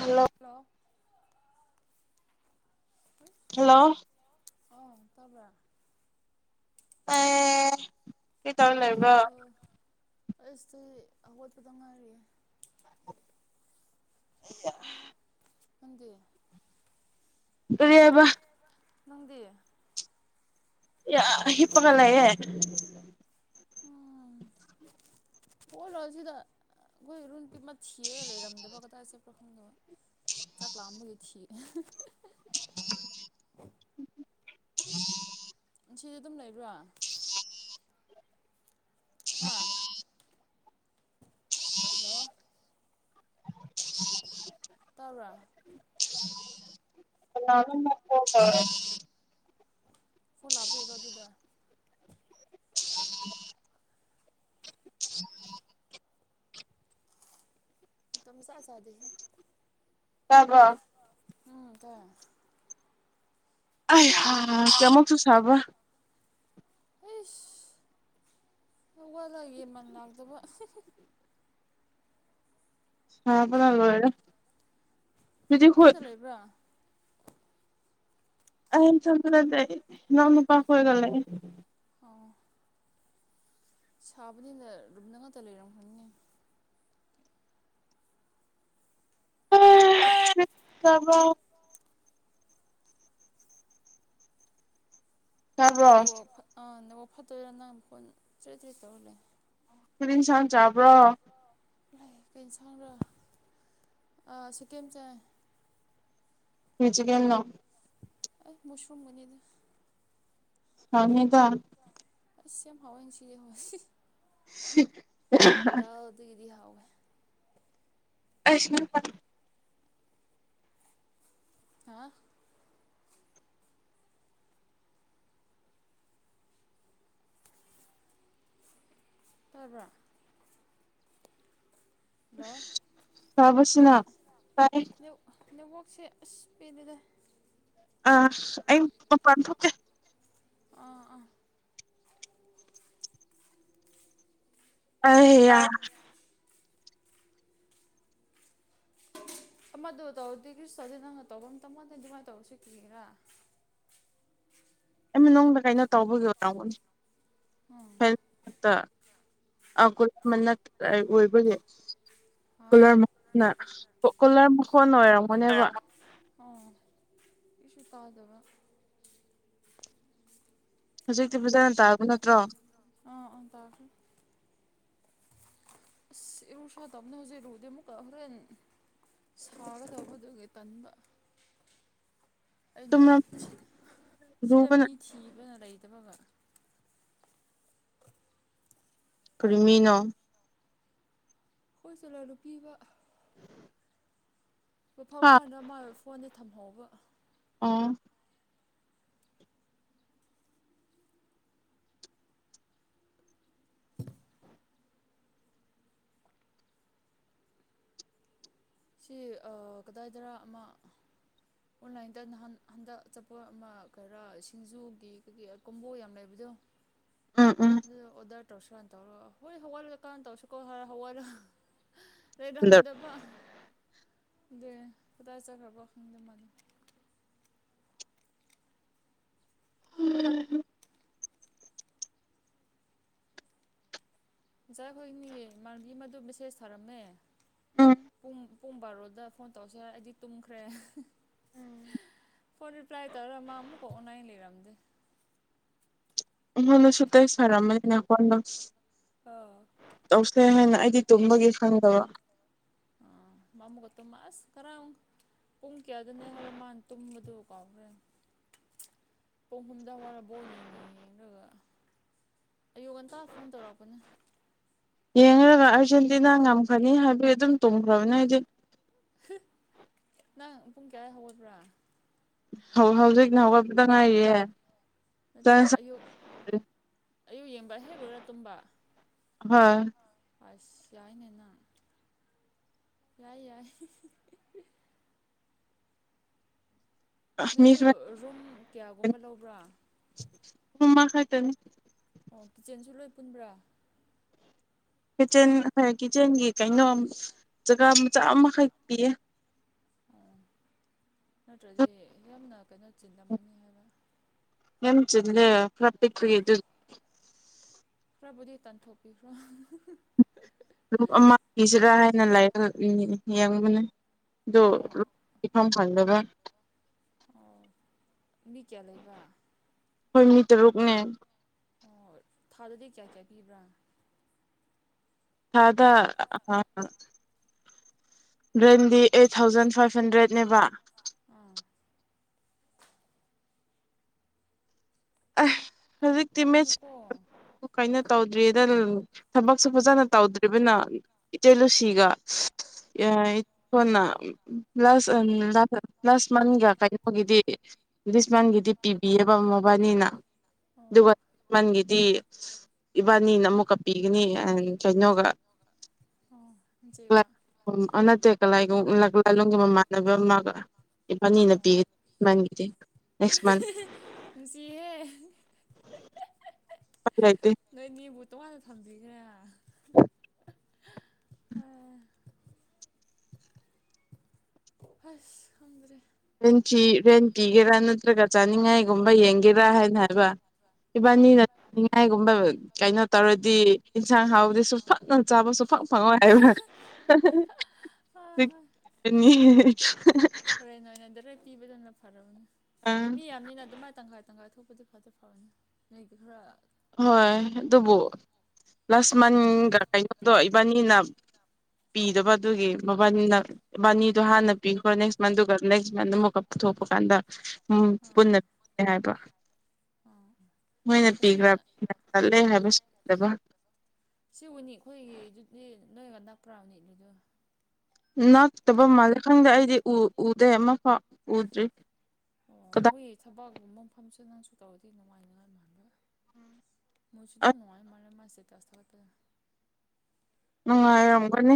Hello hello hello ꯑꯣ ꯇꯕ꯭ꯔ ꯇꯑꯦ ꯀꯗꯧꯔꯤꯅꯣ ꯑꯁ [unintelligible] ꯍꯧꯋꯥꯠꯄꯗ ꯉꯥꯏꯔꯤꯌꯦ [unintelligible] ꯅꯡꯗꯤ ꯀꯔꯤ ꯍꯏꯕ ꯅꯪꯗꯤ ꯌꯥ ꯍꯤꯄꯒꯂꯑꯦ ꯑꯥ ꯍꯧꯒꯂꯣꯖꯤꯗ ꯑꯩꯈꯣꯏ ꯔꯨꯟꯇꯤ ꯑꯃ ꯊꯤꯔ ꯂꯩꯔꯝꯗꯕ ꯀꯗꯥꯏꯁꯦꯄꯥ ꯈꯪꯗꯕ ꯆꯥꯛꯂꯥꯑꯝꯕꯒꯊꯤ [inaudible] [inaudible] ꯁꯤꯗꯤ ꯑꯗꯨꯝ ꯂꯩꯕ꯭ꯔꯥ ꯍꯥꯥ ꯍꯜꯂꯣ [inaudible] ꯇꯕ꯭ꯔꯥ ꯀꯅꯅꯣ ꯀꯣꯂꯇꯎꯔꯦ ꯐꯨꯜ ꯂꯥꯛꯄ ꯑꯣꯏꯔꯣ ꯑꯗꯨꯗ [inaudible] [inaudible] [unintelligible] ꯃꯁꯥꯁꯥꯗꯦ ꯍ ꯇꯕ꯭ꯔꯣ ꯎꯝꯇ ꯀꯌꯥꯃꯣꯛꯁꯨ ꯁꯥꯕ꯭ꯕꯥꯔ ꯍꯥꯁ [unintelligible] ꯒꯦꯟꯃꯟ ꯂꯥꯛꯇꯕ ꯁꯥꯕꯅ ꯂꯣꯏꯔꯦ ꯍꯧꯖꯤꯛ ꯈꯣꯏ ꯅꯊꯟꯗ ꯂꯩꯕ꯭ꯔꯥ ꯑꯩꯊꯟꯗ ꯅꯠꯇꯦꯏꯅꯥꯎꯅꯨꯄ ꯈꯣꯏꯒꯂꯩ ꯑꯣꯎ ꯁꯥꯕꯅꯤꯅ ꯂꯨꯝꯗ ꯉꯥꯛꯇ ꯂꯩꯔꯝꯈꯅꯤꯅꯦ [unintelligible] ꯇꯕ꯭ꯔꯣ ꯑꯣ ꯅꯦꯐꯠꯇꯣꯏꯔꯥ ꯅꯪ ꯐꯣꯟ ꯆꯦꯗꯦ ꯇꯧꯔ ꯂꯩ ꯀꯔꯤ ꯑꯟꯁꯥꯡ ꯆꯥꯕ꯭ꯔꯣ ꯂꯥꯏ ꯀꯩ ꯏꯟꯁꯥꯡꯔꯥ ꯁꯤꯀꯦꯝ ꯆꯥꯏ ꯔꯤꯖꯤꯒꯦꯜꯅꯣ ꯑꯩ ꯃꯁꯔꯨꯝ ꯑꯃꯅꯤꯗ ꯍꯥꯎꯅꯤꯗ ꯑꯥꯏꯁ ꯌꯥꯝ ꯍꯥꯎꯏ ꯉꯁꯤꯗꯤ ꯍ‌ꯣꯏ [unintelligible] ꯑꯗꯨꯒꯤꯗꯤ ꯍꯥꯎꯋꯦ ꯑꯩꯁꯨ ꯍꯥ ꯇꯔꯕ꯭ꯔꯥ ꯍꯜꯂꯣ ꯁꯥꯕꯁꯤꯅ ꯅꯪ ꯇꯥꯏ ꯅꯦꯠꯋꯥꯛꯁꯦ ꯑꯁ ꯄꯦꯟꯗꯦꯗ ꯑ ꯑꯩ ꯃꯄꯥꯟ ꯊꯣꯛꯀꯦ ꯑꯥ ꯑꯥ ꯑ ꯍ ꯌꯥ ꯑꯃꯗꯨ ꯇꯧꯔꯗꯤ ꯀ꯭ꯔꯤꯁꯨ ꯇꯧꯗ‌ꯩ ꯅꯪꯅ ꯇꯧꯕꯝ ꯃꯇꯝ ꯃꯗꯦ ꯑꯗꯨꯃꯥꯏꯅ ꯇꯧꯔꯁꯤ ꯀꯔꯤꯔꯥ ꯑꯩ ꯅꯉ‌ꯣꯟꯡꯗ ꯀꯩꯅꯣ ꯇꯧꯕꯒꯤ ꯑ‌ꯣꯏꯔꯝꯒꯅꯤ ꯎꯝ [unintelligible] [unintelligible] ꯑꯣꯏꯕꯒꯤ ꯍꯥ ꯀꯨꯂꯔ ꯃꯈꯣꯟꯅ [unintelligible] ꯅꯦꯕ ꯑꫭ ꯏꯁꯨ ꯇꯥꯗꯕ ꯍꯧꯖꯤꯛꯇꯤ ꯐꯖꯥꯅ ꯇꯥꯔꯕ ꯅꯠꯇ꯭ꯔꯣ ꯑꯥ ꯑ ꯇꯥꯔꯦ ꯏꯔꯨꯁꯤꯔ ꯇꯧꯕꯅ‌ꯦ ꯍꯧꯖꯤꯛꯔꯨꯗꯦ ꯑꯃꯨꯛꯀ ꯍꯣꯔꯦꯟ ꯁꯥꯔꯗꯧꯕꯗꯨꯒꯤ ꯇꯟꯕ ꯑꯩꯅ ꯇꯨꯝꯔ ꯁꯤꯗ ꯂꯨꯕꯅ ꯃꯤ ꯊꯤꯕꯅ ꯂꯩꯗꯕꯒ ꯀꯔꯤꯃꯤꯅꯣ ꯑꯩꯈꯣꯏ ꯁ꯭‌ꯀ‌ꯣꯂꯔꯅꯨꯄꯤꯃꯥ ꯃꯐꯝ ꯍꯥ ꯈꯔꯗ ꯃꯥꯥꯏꯕ ꯐꯣꯟꯁꯦ ꯊꯝꯍꯧꯕ ꯑꯣ ꯁꯤ ꯑ ꯀꯗꯥꯏꯗꯔꯥ ꯑꯃ ꯑꯣꯟꯂꯥꯏꯟꯗ ꯅꯍꯥꯟ ꯍꯟꯗꯛ ꯆꯆꯥꯄꯣꯠ ꯑꯃ ꯈꯔ ꯁꯤꯡꯖꯨꯒꯤ ꯀꯩ ꯀꯣꯝꯕꯣ ꯌꯥꯝ ꯂꯩꯕꯗꯣ ꯎꯝ ꯎꯝ ꯎꯝ ꯑꯗ‌ꯣ ꯑꯣꯗꯔ ꯇꯧꯔꯁꯨꯥꯟꯅ ꯇꯧꯔꯣ ꯍꯣꯏ ꯍꯋꯥꯜꯂꯨꯗ ꯀꯔꯅ ꯇꯧꯁꯤꯀꯣꯔ ꯍꯋꯥꯠꯂꯣ ꯂꯩꯔꯝꯗꯕ ꯑꯗꯨ ꯀꯗꯥꯏ ꯆꯠꯈ꯭ꯔꯕꯣ ꯈꯪꯗ‌ꯦ ꯃꯗ‌ꯣ ꯎꯝ ꯉꯆꯥꯥꯏ ꯍꯈꯣꯏꯅꯤ ꯃꯥꯥꯟꯕꯤ ꯃꯗꯨ ꯃꯦꯁꯦꯁ ꯊꯥꯔꯝꯃꯦ ꯄꯨꯡ ꯄꯨꯡ ꯕꯥꯔꯣꯗ ꯐꯣꯟ ꯇꯧꯔꯁꯤ ꯑꯩꯗꯤ ꯇꯨꯝꯈ꯭ꯔꯦ ꯐꯣꯟ ꯔꯤꯄ꯭ꯂꯥꯏ ꯇꯧꯔ ꯃꯥꯃꯨꯛꯀ ꯑꯣꯟꯂꯥꯏꯟ ꯂꯩꯔꯝꯗ‌ꯦ ꯑꯩꯉ‌ꯣꯟꯗꯁꯨ ꯇ‌ꯦꯁ ꯊꯔꯝꯕꯅꯤꯅ‌ꯦ [unintelligible] ꯑ‌ꯣ ꯇꯧꯁꯦ ꯍꯥꯏꯅ ꯑꯩꯗꯤ ꯇꯨꯝꯕꯒꯤ ꯈꯪꯗꯕ ꯃ ꯃꯃꯨꯀ ꯇꯨꯝꯃꯒ ꯑꯁ ꯉꯔꯥꯡ ꯄꯨꯡ ꯀꯌꯥꯗꯅꯦ ꯍꯥꯏꯔ ꯃꯥꯟ ꯇꯨꯝꯕꯗꯨ ꯀꯥꯎꯈ꯭ꯔꯦ ꯄꯨꯡ ꯍꯨꯝꯗ ꯋꯥꯔꯕꯣ ꯌꯦꯡꯉꯦꯒ ꯑꯌꯨꯛ ꯉꯟꯇꯥ ꯐꯣꯟ ꯇꯧꯔꯛꯄꯅꯦ ꯌꯦꯡꯉꯒ ꯑꯥꯔꯖꯦꯟꯇꯤꯅꯥ ꯉꯝꯈꯅꯤ ꯍꯥꯏꯕꯒꯤ ꯑꯗꯨꯝ ꯇꯨꯝꯈ꯭ꯔꯕꯅꯦ ꯑꯩꯗꯤ ꯍꯝ ꯅꯪ ꯄꯨꯡ ꯀꯌꯥ ꯍꯧꯒꯠꯄ꯭ꯔꯥ ꯍꯧꯖꯤꯛꯅ ꯍꯧꯒꯠꯄꯗ ꯉꯥꯏꯔꯤꯌꯦ ꯅꯠꯇꯦ ꯑꯌꯨꯛ ꯑꯌꯨꯛ ꯌꯦꯡꯕ ꯍꯦꯛ ꯂꯣꯏꯔ ꯇꯨꯝꯕ ꯍ‌ ꯑꯁ ꯌꯥꯏꯅꯦ ꯅꯪ ꯌꯥꯏ ꯌꯥꯏ ꯃꯤ ꯅꯣꯏꯗꯨ ꯈꯔ ꯔꯨꯝ ꯀꯌꯥꯒꯨꯝꯕ ꯂꯧꯕ꯭ꯔꯥ ꯑꯃꯥ ꯈꯛꯇꯅꯤ ꯑꯣ ꯀꯤꯠꯆꯟꯁꯨ ꯂꯣꯏ ꯄꯨꯟꯕ꯭ꯔꯥ ꯀꯤꯠꯆꯦꯟ ꯍꯣꯏ ꯀꯤꯠꯆꯦꯟꯒꯤ ꯀꯩꯅꯣ ꯖꯒꯥ ꯃꯆꯥ ꯑꯃꯈꯛ ꯄꯤꯌꯦ ꯑꯣ ꯅꯠꯇ꯭ꯔꯗꯤ ꯌꯥꯝꯅ ꯀꯩꯅꯣ ꯆꯤꯟꯂꯝꯅꯤ ꯍꯥꯏꯕ ꯌꯥꯝ ꯆꯤꯜꯂꯦ ꯅꯠꯇꯦ ꯀ꯭ꯔꯤ ꯑꯗꯨ ꯈꯔꯕꯨꯗꯤ ꯇꯥꯟꯊꯣꯛꯄꯤꯈ꯭ꯔꯣ ꯂꯨꯞ ꯑꯃ ꯄꯤꯁꯤꯔꯥ ꯍꯥꯏꯅ ꯂꯥꯏꯔꯛ ꯌꯦꯡꯕꯅꯤ ꯑꯗꯨ ꯑꯣ ꯍꯤꯐꯝ ꯐꯪꯗꯔꯦ ꯑꯣ ꯃꯤ ꯀꯌꯥ ꯂꯩꯕ ꯑꯈꫭꯏ ꯃꯤ ꯇꯔꯨꯛꯅꯦ ꯑꯣ ꯊꯥꯗꯗꯤ ꯀꯌꯥ ꯀꯌꯥ ꯄꯤꯕ꯭ꯔꯥ ꯊꯥꯗ [unintelligible] ꯔꯦꯟꯗꯤ ꯑꯩꯠ ꯊꯥꯎꯖꯟ ꯐꯥꯏꯚ ꯍꯟꯗ꯭ꯔꯦꯠꯅꯦꯕ ꯑꯥ ꯑꯦ ꯍꯧꯖꯤꯛꯇꯤ ꯃꯤꯠ ꯇꯥꯡꯉꯦꯀꯣ ꯀꯩꯅꯣ ꯇꯧꯗ꯭ꯔꯤꯗ ꯊꯕꯛꯁꯨ ꯐꯖꯅ ꯇꯧꯗ꯭ꯔꯤꯕꯅ ꯏꯆꯦ ꯂꯨꯁꯤꯒ ꯑꯥ ꯍꯣꯅꯥ ꯄ꯭ꯂꯁ ꯄ꯭ꯂꯁ ꯃꯒ ꯀ ꯑꯩꯈꯣꯏꯒꯤꯗꯤ ꯏꯪꯂꯤꯁꯃꯥꯟꯒꯤꯗꯤ ꯄꯤꯕꯤꯑꯕ ꯃꯣꯕꯥꯏꯅꯤꯅ ꯑꯗꯨꯒ ꯑꯣ ꯃꯟꯒꯤꯗꯤ ꯏꯕꯥꯅꯤꯅ ꯑꯃꯨꯛꯀ ꯄꯤꯒꯅꯤ ꯍꯥꯏꯔꯒ ꯀꯩꯅꯣꯒ ꯑꯣ ꯍꯧꯖꯤꯛꯔ꯫ ꯎꯝ ꯅꯠꯇꯦꯂ ꯂꯥꯂꯣꯡꯒꯤ ꯃꯃꯥꯟꯅꯕ ꯑꯃꯒ ꯏꯕꯥꯅꯤꯅ ꯄꯤ [unintelligible] [inaudible] [unintelligible] [unintelligible] ꯅꯨꯡꯁꯤꯌꯦ [unintelligible] ꯅꯣꯏꯅꯤꯕꯨ ꯇꯣꯉꯥꯟꯅ ꯊꯝꯕꯤꯈ꯭ꯔꯦꯅ ꯇꯥꯏ ꯑꯁ ꯈꯪꯗ꯭ꯔꯦ ꯔꯦꯟ ꯄꯤꯒꯦꯔꯥ ꯅꯠꯇ꯭ꯔꯒ ꯆꯥꯅꯤꯡꯉꯥꯏꯒꯨꯝꯕ ꯌꯦꯡꯒꯦꯔꯥ ꯍꯥꯏꯅ ꯍꯥꯏꯕ ꯑꯥ ꯏꯕꯥꯅꯤꯅ ꯅꯤꯡꯉꯥꯏꯒꯨꯝꯕ ꯀꯩꯅꯣ ꯇꯧꯔꯗꯤ ꯌꯦꯟꯁꯥꯡ ꯍꯥꯎꯕꯗꯤꯁꯨ ꯐꯛꯅ ꯆꯥꯕꯁꯨ ꯐꯛ ꯐꯪꯉꯣꯏ ꯍꯥꯏꯕ꯭ꯔ ꯍꯣꯏ ꯍꯣꯏ [unintelligible] [unintelligible] ꯐꯔꯦ ꯅ ꯔꯦꯛ ꯄꯤꯗꯨꯅ ꯐꯔꯕꯅꯦ ꯃꯤ ꯌꯥꯝꯅꯤꯅ ꯑꯗꯨꯃꯥꯏ ꯇꯪꯈꯥꯏ ꯇꯪꯈꯥꯏ ꯊꯣꯛꯄꯗꯨ ꯐꯠꯇ ꯐꯕꯅꯤ ꯅꯣꯏꯗꯤ ꯈꯔ ꯍꯣꯏ ꯑꯗꯨꯕꯨ ꯀꯩꯅꯣ ꯂꯥꯁ ꯃꯟꯒ ꯀꯩꯅꯣꯗꯣ ꯏꯕꯥꯅꯤꯅ ꯄꯤꯗꯕ ꯑꯗꯨꯒꯤ ꯃꯕꯅꯤꯅ ꯏꯕꯅꯤꯗꯣ ꯍꯥꯟꯅ ꯄꯤꯈ꯭ꯔꯣ ꯅꯦꯛꯁ ꯃꯟꯗꯨꯒ ꯅꯦꯛꯁ ꯃꯟ ꯑꯃꯨꯛꯀ ꯄꯨꯊꯣꯛꯄ ꯀꯥꯟꯗ ꯎꯝ ꯑꯥ ꯑꯥ ꯄꯨꯟꯅ ꯍꯥꯏꯕ ꯑꯥ ꯃꯣꯏꯅ ꯑꯁꯤ ꯄꯤꯈ꯭ꯔ ꯆꯠꯂꯦ ꯍꯥꯏꯕꯁꯨ ꯄꯤꯗꯕ ꯏꯆꯦꯕꯨꯅꯤ ꯑꯩꯈꯣꯏꯒꯤꯗꯨꯗꯤ ꯅꯣꯏꯒ ꯅꯛꯄ꯭ꯔꯕꯅꯤ ꯑꯗꯨꯗꯣ ꯅꯛꯇꯕ ꯃꯥꯜꯂꯦ ꯈꯪꯗꯦ ꯑꯩꯗꯤ ꯎꯗꯦ ꯑꯃꯐꯥꯎ ꯎꯗ꯭ꯔꯤ ꯊꯕꯥꯥꯛꯒꯨꯝꯕ ꯃꯐꯝꯁꯨ ꯅꯪꯁꯨ ꯇꯧꯔꯗꯤ ꯅꯨꯡꯉꯥꯏ ꯅꯨꯡꯉꯥꯏ ꯃꯥꯟꯕ ꯃꯣꯏꯁꯨ ꯑꯗꯨꯝ ꯑꯁ ꯅꯨꯡꯉꯥꯏ ꯃꯥꯜꯂꯦ ꯃꯥꯁꯦ ꯇꯁ ꯊꯂꯛꯄꯗꯅ ꯅꯨꯉꯥꯏꯌꯝꯒꯅꯤ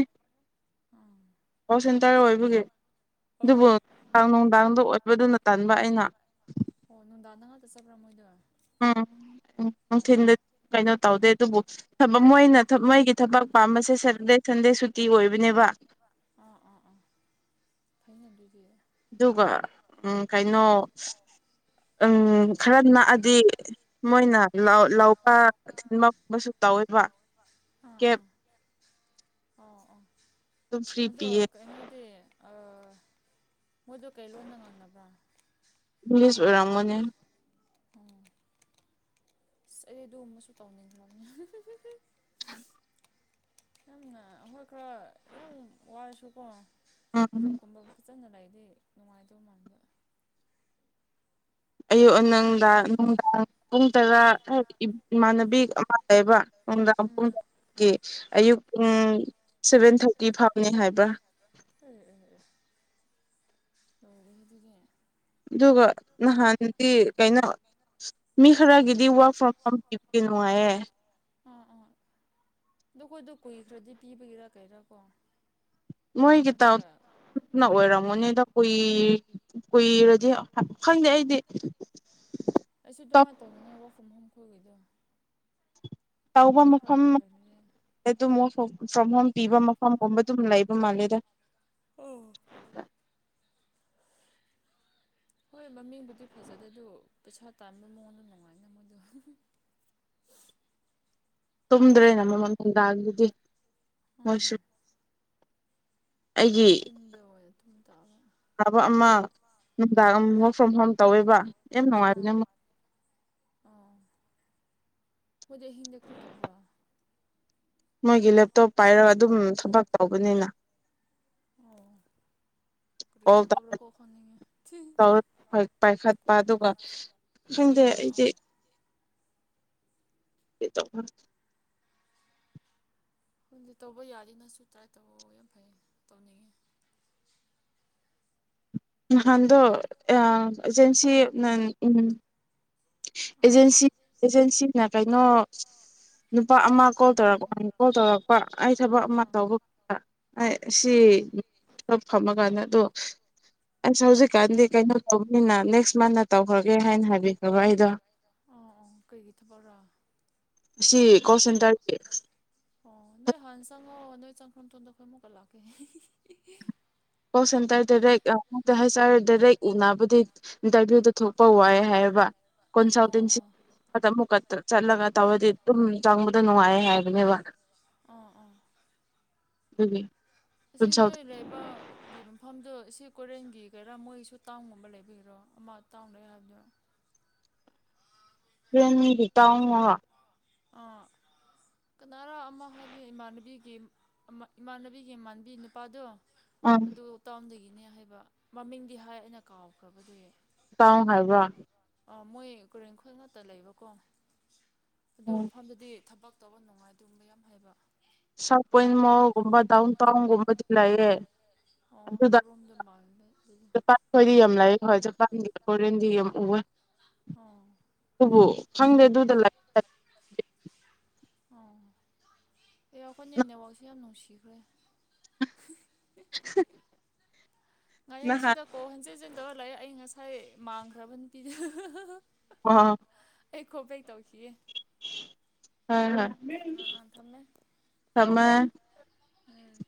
ꯑꯥ ꯀꫭꯜ ꯁꯦꯟꯇꯔ ꯑꯣꯏꯕꯒꯤ ꯑꯗꯨꯕꯨ ꯑꯥ ꯅꯨꯡꯗꯥꯡꯗ ꯑꯣꯠꯕꯗꯨꯅ ꯇꯟꯕ ꯑꯩꯅ ꯑꯣ ꯅꯨꯡꯗꯥꯡ ꯅ ꯉꯥꯛꯇ ꯆꯠꯄ꯭ꯔꯥ ꯃꯣꯏꯗ ꯎꯝ ꯎꯝ ꯅꯨꯡꯊꯤꯜꯗꯗꯤ ꯀꯩꯅꯣ ꯇꯧꯗꯦ ꯑꯗꯨꯕꯨ ꯊꯕꯛ ꯃꯣꯏꯅ ꯃꯣꯏꯒꯤ ꯊꯕꯛ ꯄꯥꯝꯕꯁꯦ ꯁꯦꯇꯔꯗꯦ ꯁꯟꯗꯦ ꯁꯨꯇꯤ ꯑꯣꯏꯕꯅꯦꯕ ꯑꯥ ꯑꯥ ꯑꯥ ꯀꯩꯅꯣ ꯑꯗꯨꯗꯤ ꯑꯗꯨꯒ ꯎꯝ ꯀꯩꯅꯣ ꯎꯝ ꯈꯔ ꯅꯛꯑꯗꯤ ꯃꯣꯏꯅ ꯂꯧ ꯂꯧ ꯄꯥ ꯊꯤꯟ ꯃꯨꯝ ꯑꯃꯁꯨ ꯇꯧꯋꯦꯕ ꯑꯥ ꯀꯦꯞ ꯑꯥ ꯑꯣ ꯑꯣ ꯑꯗꯨꯝ ꯐ꯭ꯔꯤ ꯑꯗꯣ ꯄꯤꯌꯦ ꯀꯩꯅꯣꯗꯤ ꯑ ꯃꯣꯏꯗꯣ ꯀꯩ ꯂꯣꯟꯗ ꯉꯥꯡꯅꯕ꯭ꯔꯥ ꯏꯪꯂꯤꯁ ꯑꯣꯏꯔꯝꯒꯅꯤ ꯎꯝ ꯑꯩ ꯑꯗꯨꯝꯕꯁꯨ ꯇꯧꯅꯤꯡꯗ꯭ꯔꯝꯅꯤ ꯅꯪꯅ ꯑꯩꯈꯣꯏ ꯈꯔ ꯌꯥꯝ ꯋꯥꯏꯔꯁꯨꯀꯣ ꯎꯝ ꯃꯔꯨꯞꯀꯨꯝꯕ ꯀꯤꯠꯆꯟꯗ ꯂꯩꯔꯗꯤ ꯅꯨꯡꯉꯥꯏꯗꯧ ꯃꯥꯟꯕ ꯑꯌꯨꯛ ꯅꯪꯗ ꯅꯨꯡꯗꯥꯡ ꯄꯨꯡ ꯇꯔꯥ ꯍꯥꯏꯗꯤ ꯏꯃꯥꯟꯅꯕꯤ ꯑꯃ ꯂꯩꯌꯦꯕ ꯅꯨꯡꯗꯥꯡ ꯎꯝ ꯄꯨꯡ ꯑꯦ ꯀꯦ ꯑꯌꯨꯛ ꯄꯨꯡ ꯁꯚꯦꯟ ꯊꯥꯔꯇꯤ ꯐꯥꯎꯅꯤ ꯍꯥꯏꯕ ꯑꯦ ꯑꯦ ꯑꯦ ꯇꯧꯑꯦꯅꯦ ꯑꯗꯨꯗꯤ ꯑꯗꯨꯒ ꯅꯍꯥꯟꯗꯤ ꯀꯩꯅꯣ ꯃꯤ ꯈꯔꯒꯤꯗꯤ ꯋꯥꯔꯛ ꯐ꯭ꯔꯣꯝ ꯍꯣꯝ ꯄꯤꯕꯒꯤ ꯅꯨꯡꯉꯥꯏꯌꯦ ꯑꯥ ꯑꯥ ꯑꯗꯣꯈꯣꯏꯗꯣ ꯀꯨꯏꯈ꯭ꯔꯗꯤ ꯄꯤꯕꯒꯤꯔ ꯀꯩꯔꯥꯀꯣ ꯃꯣꯏꯒꯤ ꯇꯥꯎ ꯅ ꯑꯣꯏꯔꯝꯒꯅꯤꯗ ꯀꯨꯏ ꯀꯨꯏꯔꯗꯤ ꯈꯪꯗꯦ ꯑꯩꯗꯤ ꯑꯩꯁꯨ ꯑꯗꯨꯃꯥꯏꯅ ꯇꯧꯅꯤꯡꯉꯥꯏ ꯋꯥꯐꯝ ꯍꯣꯝꯈꯣꯏꯒꯤꯗꯣ ꯇꯧꯕ ꯃꯐꯝ ꯍꯩꯔꯗꯤ ꯑꯗꯨ ꯑꯃꯨꯛ ꯐꯥꯎ ꯆꯍꯨꯝ ꯄꯤꯕ ꯃꯐꯝꯒꯨꯝꯕ ꯑꯗꯨꯝ ꯂꯩꯕ ꯃꯥꯜꯂꯦꯗ ꯎꯝ ꯍꯣꯏ ꯃꯃꯤꯡꯕꯨꯗꯤ ꯐꯖꯗꯦ ꯑꯗꯨ ꯄꯩꯁꯥ ꯇꯥꯟꯕ ꯃꯑꯣꯡꯗ ꯅꯨꯡꯉꯥꯏꯅꯤ ꯃꯣꯏꯗꯣ ꯇꯨꯝꯗ꯭ꯔꯦꯅ ꯃꯃꯜ ꯅꯨꯡꯗꯥꯡꯗꯨꯗꯤ ꯎꯝ ꯃꯣꯏꯁꯨ ꯑꯩꯒꯤ ꯅꯨꯡꯊꯤꯟꯗ ꯑꯣꯏꯅ ꯑꯗꯨꯝ ꯇꯧꯑꯦ ꯑꯥꯕ ꯑꯃ ꯅꯨꯡꯗꯥꯡ ꯑꯃ ꯋꯔꯛ ꯐ꯭ꯔꯣꯝ ꯍꯣꯝ ꯇꯧꯋꯦꯕ ꯌꯥꯝ ꯅꯨꯡꯉꯥꯏꯕꯅꯦ ꯑꯣ ꯃꯣꯏꯗꯤ ꯑꯍꯤꯡꯗ ꯀꯔꯤ ꯇꯧꯕ꯭ꯔꯣ ꯃꯣꯏꯒꯤ ꯂꯦꯞꯇꯣꯞ ꯄꯥꯏꯔꯒ ꯑꯗꯨꯝ ꯊꯕꯛ ꯇꯧꯕꯅꯤꯅ ꯑꯣ ꯀꯔꯤ ꯊꯕꯛꯔꯀꯣ ꯈꯪꯅꯤꯡꯉꯦ ꯊꯤ [unintelligible] ꯄꯥꯏꯈꯠꯄ ꯑꯗꯨꯒ ꯈꯪꯗꯦ ꯑꯥ ꯑꯩꯗꯤ ꯑꯥ [unintelligible] ꯈꯪꯗꯤ ꯇꯧꯕ ꯌꯥꯔꯤꯗꯤ ꯅꯪꯁꯨ ꯇ꯭ꯔꯥꯏ ꯇꯧꯔꯛꯑꯣ ꯌꯥꯝ ꯐꯩ ꯇꯧꯅꯤꯡꯉꯤ ꯅꯍꯥꯟꯗꯣ ꯌꯥꯝ ꯑꯦꯖꯦꯟꯁꯤ ꯅ ꯎꯝ ꯑꯥ ꯑꯦꯖꯦꯟꯁꯤ ꯑꯦꯖꯦꯟꯁꯤꯅ ꯀꯩꯅꯣ ꯅꯨꯄꯥ ꯑꯃ ꯀꯣꯜ ꯇꯧꯔꯛꯄ ꯀꯣꯜ ꯇꯧꯔꯛꯄ ꯑꯩ ꯊꯕꯛ ꯑꯃ ꯑꯥ ꯇꯧꯕ ꯑꯩ ꯁꯤ ꯑꯥ ꯄꯨꯂꯞ ꯐꯝꯃꯀꯥꯟꯗ ꯑꯗꯣ ꯑꯁ ꯍꯧꯖꯤꯛꯀꯥꯟꯗꯤ ꯀꯩꯅꯣ ꯇꯧꯕꯅꯤꯅ ꯅꯦꯛꯁ ꯃꯟꯗ ꯇꯧꯈ꯭ꯔꯒꯦ ꯍꯥꯏꯅ ꯍꯥꯏꯕꯤ ꯇꯧꯔꯛꯏꯗꯣ ꯑꯣ ꯑꯣ ꯀꯩꯒꯤ ꯊꯕꯛꯔꯥ ꯁꯤ ꯀꯣꯜ ꯁꯦꯟꯇꯔꯒꯤ ꯑꯣ ꯅꯣꯏ ꯍꯥꯟ ꯆꯪꯑꯣ ꯅꯣꯏ ꯆꯪꯈ꯭ꯔ ꯃꯇꯨꯡꯗ ꯑꯩꯈꯣꯏ ꯑꯃꯨꯛꯀ ꯂꯥꯛꯀꯦ ꯀꯣꯜ ꯁꯦꯟꯇꯔ ꯗꯥꯏꯔꯦꯛ ꯑ ꯍꯩꯁ ꯑꯥꯔ ꯗꯥꯏꯔꯦꯛ ꯏꯅꯥꯕꯗꯤ ꯏꯟꯇꯔꯚ꯭ꯌꯨꯗ ꯊꯣꯛꯄ ꯋꯥꯏ ꯍꯥꯏꯕ ꯑꯣ ꯀꯣꯟꯁꯜꯇꯦꯟꯁꯤ ꯑꯣ ꯑꯃꯨꯛꯀ ꯆꯠꯂꯒ ꯇꯧꯔꯗꯤ ꯑꯗꯨꯝ ꯆꯪꯕꯗꯣ ꯅꯨꯡꯉꯥꯏ ꯍꯥꯏꯕꯅꯦꯕ ꯑꯥ ꯑꯥ [unintelligible] ꯑꯁꯤ ꯀꯣꯟꯁꯜ ꯅꯣꯏ ꯂꯩꯕ ꯒꯤ ꯃꯐꯝꯗꯣ ꯁꯤ ꯀꯣꯏꯔꯦꯡꯒꯩꯒꯤꯔꯥ ꯃꯣꯏꯁꯨ ꯇꯥꯎꯟꯒꯨꯝꯕ ꯂꯩꯕꯤꯒꯤꯔꯣ ꯑꯃ ꯇꯥꯎꯟ ꯂꯩ ꯍꯥꯏꯕꯗꯣ [unintelligible] ꯑꯥ ꯀꯅꯥꯔꯥ ꯑꯃꯥ ꯍꯥꯏꯒꯤ ꯏꯃꯥꯟꯅꯕꯤꯒꯤ ꯏꯃꯥꯟꯅꯕꯤꯒꯤ ꯃꯥꯟꯕꯤ ꯅꯨꯄꯥꯗꯣ ꯑꯗꯨ ꯇꯥꯎꯟꯗꯒꯤꯅꯦ ꯍꯥꯏꯕ ꯃꯃꯤꯡꯗꯤ ꯍꯥꯏ ꯑꯩꯅ ꯀꯥꯎꯈ꯭ꯔꯕꯗꯨꯌꯦ ꯇꯥꯎꯟ ꯍꯥꯏꯕ꯭ꯔ ꯑꯥ ꯃꯣꯏ ꯀꯔꯦꯟꯈꯜ ꯉꯠꯇ ꯂꯩꯕꯀꯣ ꯑꯗꯨ ꯎꯝ ꯃꯐꯝꯗꯗꯤ ꯊꯕꯛ ꯇꯧꯕ ꯅꯨꯡꯉꯥꯏ ꯑꯗꯨꯒꯨꯝꯕ ꯌꯥꯝ ꯍꯥꯏꯕ [inaudible] ꯁꯥꯔ ꯄꯣꯏꯟ ꯃꯣꯜꯒꯨꯝꯕ ꯗꯥꯎꯟ ꯇꯥꯎꯟꯒꯨꯝꯕꯗꯤ ꯂꯩꯌꯦ ꯑꯣ ꯑꯗꯨꯗ ꯑꯗꯨꯔꯣꯝꯗ ꯃꯥꯜꯂꯦ ꯖꯄꯥꯟ ꯈ꯭ꯣꯏꯗꯤ ꯌꯥꯝ ꯂꯥꯛꯑꯦ ꯍꯣꯏ ꯖꯄꯥꯟꯒꯤ ꯀꯣꯔꯤꯌꯟ ꯌꯥꯝ [unintelligible] ꯑꯣ ꯑꯗꯨꯕꯨ ꯈꯪꯗꯦ ꯑꯗꯨꯗ ꯑꯦ ꯑꯩ ꯈꯣꯏꯅꯤ ꯅꯦꯛꯋꯥꯛꯁꯦ ꯌꯥꯝ ꯅꯨꯡꯁꯤꯈ꯭ꯔꯦ [unintelligible] ꯉꯔꯥꯡꯁꯤꯗ ꯀꯣꯜ ꯍꯟꯖꯤꯟ ꯖꯤꯟ ꯇꯧꯔꯥ ꯂꯩꯌꯦ ꯑꯩ ꯉꯁꯥꯏ ꯃꯥꯡꯈ꯭ꯔꯥꯕ ꯅꯨꯄꯤꯗ ꯑꯣ ꯑꯩ ꯀꯣꯕꯦꯛ ꯇꯧꯈꯤꯌꯦ ꯍꯣꯏ ꯍꯣꯏ ꯑꯥ ꯑꯥ ꯊꯝꯃꯦ ꯊꯝꯃꯦ ꯎꯝ